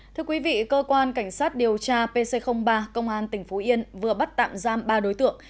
thưa quý vị cơ quan cảnh sát điều tra pc ba công an tỉnh phú yên vừa bắt tạm giam ba đối tượng